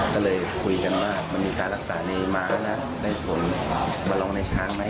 ก็เลยคุยกันว่ามันมีการรักษาในม้านะในผลมาลองในช้างไหม